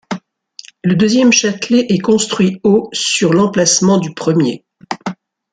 Le deuxième châtelet est construit au sur l'emplacement du premier.